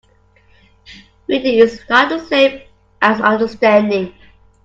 Reading is not the same as understanding.